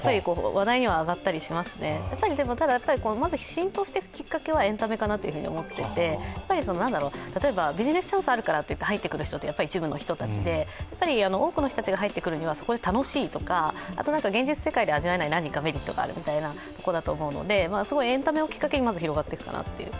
話題にはあがったりしますでも、浸透していくきっかけはエンタメかなと思っていて、例えばビジネスチャンスがあるからといって入ってくるのは一部の人たちで多くの人たちが入ってくるには、そこが楽しいとか現実世界で味わえないメリットがあるということだと思うのですごいエンタメをきっかけにまず広がっていくかなという。